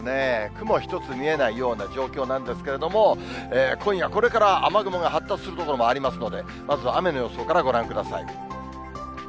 雲一つ見えないような状況なんですけれども、今夜これから、雨雲が発達する所もありますので、まずは雨の予想からご覧ください。